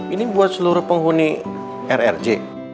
ini buat seluruh penghuni rrj